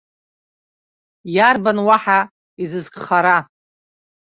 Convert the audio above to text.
Иарбан уаҳа изызкхара!